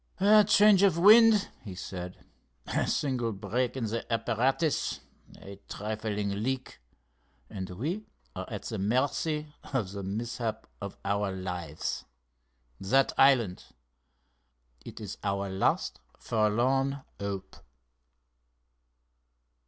"A change of wind," he said, "a single break in the apparatus, a trifling leak, and we are at the mercy of the mishap of our lives! That island—it is our last forlorn hope!"